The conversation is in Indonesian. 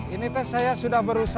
ini saya sudah berusaha